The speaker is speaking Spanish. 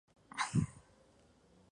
Yule "et al.